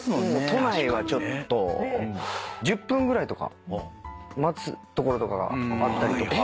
都内は１０分ぐらいとか待つところとかがあったりとか。